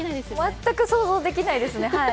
全く想像できないですね。